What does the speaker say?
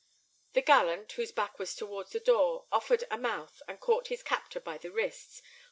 The gallant, whose back was toward the door, offered a mouth, and caught his captor by the wrists.